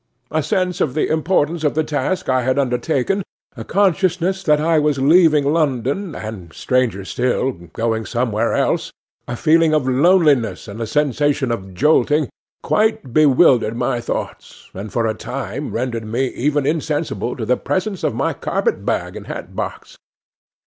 A sense of the importance of the task I had undertaken, a consciousness that I was leaving London, and, stranger still, going somewhere else, a feeling of loneliness and a sensation of jolting, quite bewildered my thoughts, and for a time rendered me even insensible to the presence of my carpet bag and hat box.